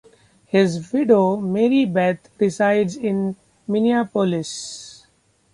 His widow, Mary Beth, resides in Minneapolis.